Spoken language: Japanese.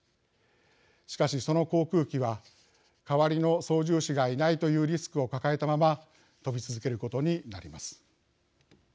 しかし、その航空機は代わりの操縦士がいないというリスクを抱えたまま飛び続けることになります。